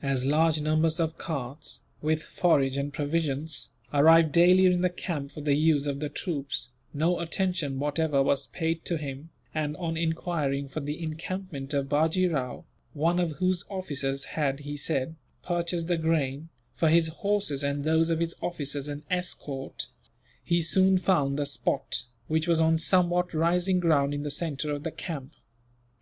As large numbers of carts, with forage and provisions, arrived daily in the camp for the use of the troops, no attention whatever was paid to him and, on enquiring for the encampment of Bajee Rao one of whose officers had, he said, purchased the grain, for his horses and those of his officers and escort he soon found the spot, which was on somewhat rising ground in the centre of the camp.